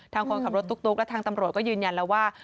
คนขับรถตุ๊กและทางตำรวจก็ยืนยันแล้วว่า